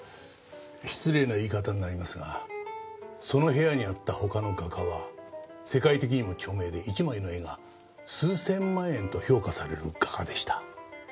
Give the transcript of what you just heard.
失礼な言い方になりますがその部屋にあった他の画家は世界的にも著名で一枚の絵が数千万円と評価される画家でした。